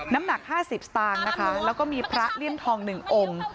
น้ำหนัก๕๐สตางค์นะคะแล้วก็มีพระเลี่ยมทอง๑องค์